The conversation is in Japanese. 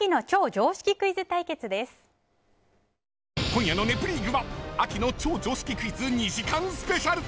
今夜の「ネプリーグ」は秋の超常識クイズ２時間スペシャル。